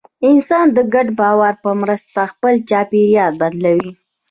انسانان د ګډ باور په مرسته خپل چاپېریال بدلوي.